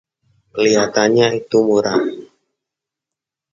Kelihatannya itu murah.